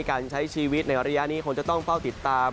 การใช้ชีวิตในระยะนี้คงจะต้องเฝ้าติดตาม